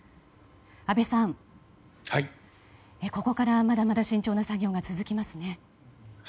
安倍さん、ここからまだまだ慎重な作業が続きますね。